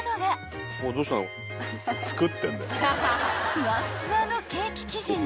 ［ふわっふわのケーキ生地に］